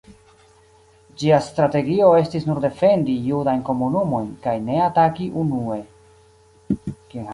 Ĝia strategio estis nur defendi judajn komunumojn kaj ne ataki unue.